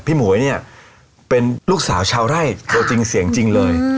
หมวยเนี่ยเป็นลูกสาวชาวไร่ตัวจริงเสียงจริงเลย